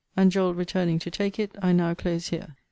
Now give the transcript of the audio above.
And Joel returning to take it, I now close here.